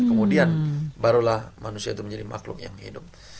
kemudian barulah manusia itu menjadi makhluk yang hidup